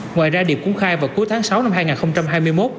ngoài ra điệp cũng khai vào cuối tháng sáu năm hai nghìn hai mươi một